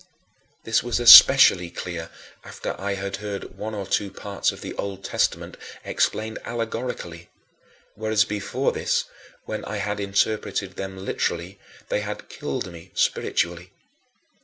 This was especially clear after I had heard one or two parts of the Old Testament explained allegorically whereas before this, when I had interpreted them literally, they had "killed" me spiritually.